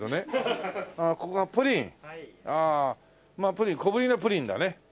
プリン小ぶりなプリンだね。